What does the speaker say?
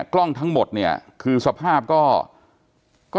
กล้องทั้งหมดเนี่ยคือสภาพก็